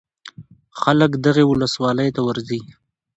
خلک دغې ولسوالۍ ته ورځي.